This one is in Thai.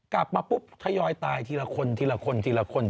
กลับมาปุ๊บทยอยตายทีละคนทีละคนทีละคน